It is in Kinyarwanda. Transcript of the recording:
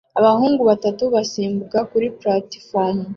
Abahungu batatu basimbuka kuri platifomu